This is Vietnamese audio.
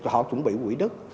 họ chuẩn bị quỹ đất